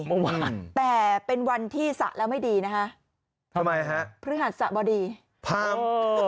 เมื่อวานแต่เป็นวันที่สระแล้วไม่ดีนะฮะทำไมฮะพฤหัสสบดีถามเออ